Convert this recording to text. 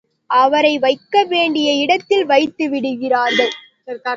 அவரை வைக்கவேண்டிய இடத்தில் வைத்து விடுகிறார்கள்.